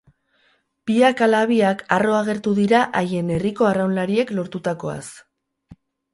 Biak ala biak harro agertu dira haien herriko arraunlariek lortutakoaz.